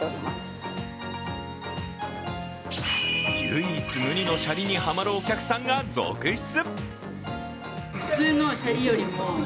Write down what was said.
唯一無二のシャリにハマるお客さんが続出。